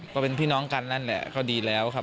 ก็เป็นพี่น้องกันนั่นแหละก็ดีแล้วครับ